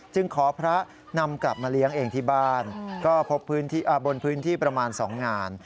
ขอพระนำกลับมาเลี้ยงเองที่บ้านก็พบพื้นที่บนพื้นที่ประมาณ๒งาน